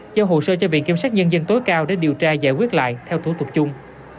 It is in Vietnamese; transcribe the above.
giao hồ sơ cho viện kiểm sát nhân dân tối cao để điều tra giải quyết lại theo thủ tục chung